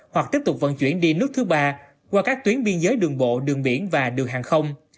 hoặc tiếp tục vận chuyển đi nước thứ ba qua các tuyến biên giới đường bộ đường biển và đường hàng không